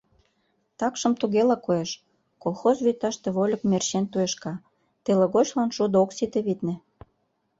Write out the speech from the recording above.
Такшым тугела коеш: колхоз вӱташте вольык мерчен туешка, телыгочлан шудо ок сите, витне.